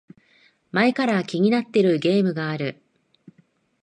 前から気になってるゲームがある